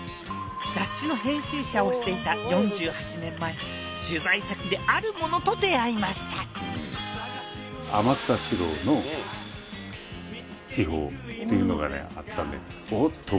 雑誌の編集者をしていた４８年前取材先であるものと出会いましたっていうのがねあったんでおっと